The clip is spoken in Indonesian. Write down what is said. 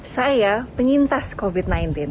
saya penyintas covid sembilan belas